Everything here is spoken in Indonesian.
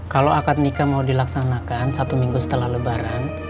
kalau akad nikah mau dilaksanakan satu minggu setelah lebaran